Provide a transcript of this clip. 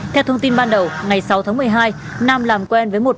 theo thông tin ban đầu ngày sáu tháng một mươi hai